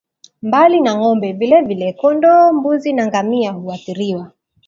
Mbali na ng'ombe vilevile kondoo mbuzi na ngamia huathiriwa